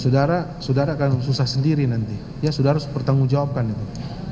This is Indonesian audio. saudara saudara akan susah sendiri nanti ya sudah harus bertanggung jawabkan itu